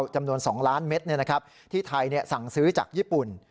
จำนวน๒ล้านเมตรที่ไทยสั่งซื้อจากญี่ปุ่น